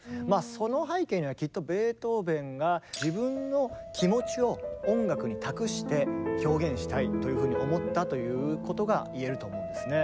その背景にはきっとベートーベンが自分の気持ちを音楽に託して表現したいというふうに思ったということが言えると思うんですね。